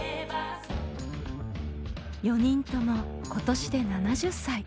４人とも今年で７０歳。